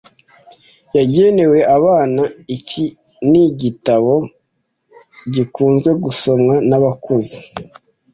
Yagenewe abana, iki ni igitabo gikunze gusomwa nabakuze.